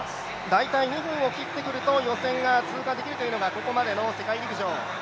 大体２分を切ってくると予選を通過できるというのがここまでの世界陸上。